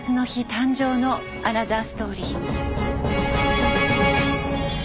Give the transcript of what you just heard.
誕生のアナザーストーリー。